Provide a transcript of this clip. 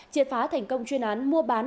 triệt phá thành công chuyên án mua bán